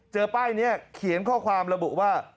ป้ายนี้เขียนข้อความระบุว่า